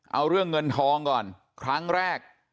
เอาเรื่องเงินทองก่อนครั้งแรก